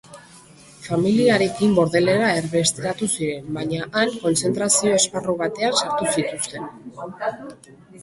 Familiarekin Bordelera erbesteratu ziren, baina han kontzentrazio-esparru batean sartu zituzten.